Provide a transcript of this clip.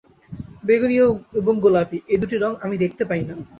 বেগুনি এবং গোলাপি এই দুটি রঙ আমি দেখতে পাই না।